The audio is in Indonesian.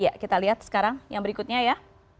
iya kita lihat sekarang yang berikutnya ya